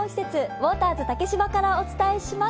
ウォーターズ竹芝からお送りします。